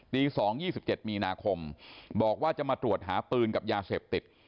๒๒๗มีนาคมบอกว่าจะมาตรวจหาปืนกับยาเสพติด